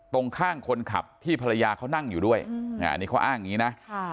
ตรงข้างคนขับที่ภรรยาเขานั่งอยู่ด้วยอันนี้เขาอ้างอย่างนี้นะ